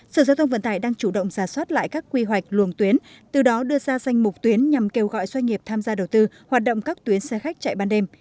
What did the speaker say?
sở giao thông vận tải đang chủ động giả soát lại các quy hoạch luồng tuyến từ đó đưa ra danh mục tuyến nhằm kêu gọi doanh nghiệp tham gia đầu tư hoạt động các tuyến xe khách chạy ban đêm